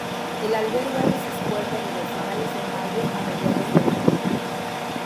El albergue abre sus puertas desde finales de mayo a mediados de octubre.